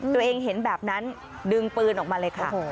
ตัวเองเห็นแบบนั้นดึงปืนออกมาเลยค่ะ